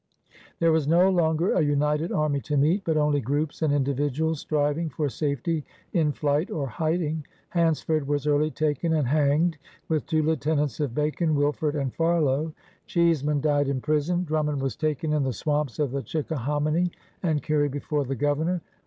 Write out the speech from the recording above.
There was no longer a united army to meet, but only groups and individuals striving for safety in flight or hiding. Hansford was early taken and hanged with two lieutenants of Bacon, Wilford and Farlow. Cheeseman died in prison. Drum mond was taken in the swamps of the Chicka hominy and carried before the Governor.